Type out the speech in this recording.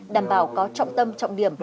đảm bảo có trọng tâm trọng điểm